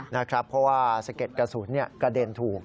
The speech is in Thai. เพราะว่าสะเก็ดกระสุนกระเด็นถูก